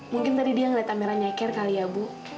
mungkin tadi dia ngeliat amira nyeker kali ya bu